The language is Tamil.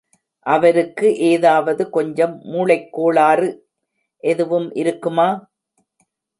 அவருக்கு ஏதாவது கொஞ்சம் மூளைக் கோளாறு எதுவும்...... இருக்குமா?